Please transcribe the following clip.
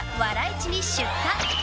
市に出荷！